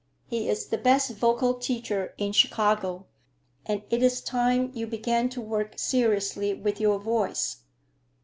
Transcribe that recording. He is the best vocal teacher in Chicago, and it is time you began to work seriously with your voice."